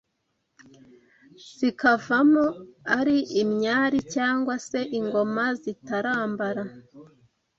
zikavamo ari “Imyari “cyangwa se ingoma zitarambara